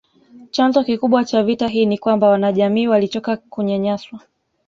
Chanzo kikubwa cha vita hii ni kwamba wanajamii walichoka kunyanyaswa